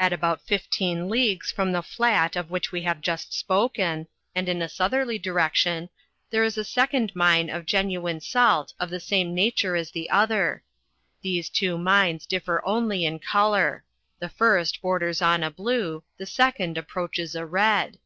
At a distance of about 15 leagues from the flat, of which we have just spoken, and in a Foutherly direction, there is a second mine of genuine salt of the same nature as the other. These two mmes differ only in colour; the fi^t borders on a blue, the second approaches a red.